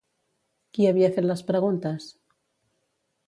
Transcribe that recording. Qui havia fet les preguntes?